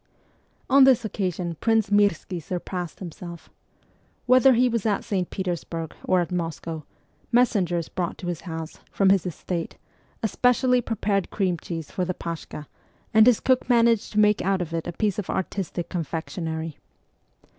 On this occasion Prince Mirski surpassed himself. Whether he was at St. Petersburg or at Moscow, messengers brought to his house, from his estate, a specially prepared cream cheese for the paskha, and his cook managed to make out of it a piece of artistic confectionery.